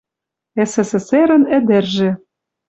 СССР-ын ӹдӹржӹ.